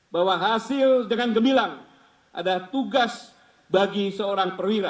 bahwa hasil dengan gemilang adalah tugas bagi seorang perwira